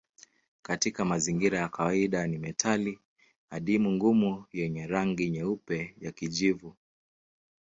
Katika mazingira ya kawaida ni metali adimu ngumu yenye rangi nyeupe ya kijivu.